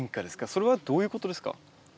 それはどういうことですか？